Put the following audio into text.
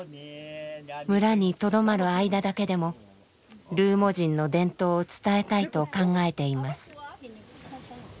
村にとどまる間だけでもルーモ人の伝統を伝えたいと考えています。